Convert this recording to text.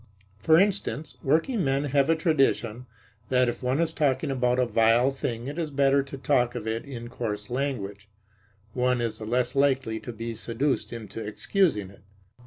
For instance, workingmen have a tradition that if one is talking about a vile thing it is better to talk of it in coarse language; one is the less likely to be seduced into excusing it.